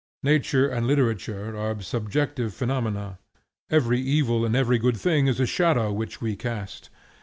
Nature and literature are subjective phenomena; every evil and every good thing is a shadow which we cast.